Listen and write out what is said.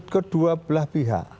kedua belah pihak